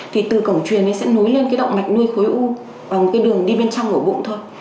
thì từ cổng truyền sẽ nối lên cái động mạch nuôi khối u bằng cái đường đi bên trong của bụng thôi